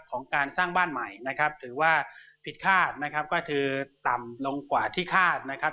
ของการสร้างบ้านใหม่นะครับถือว่าผิดคาดนะครับก็คือต่ำลงกว่าที่คาดนะครับ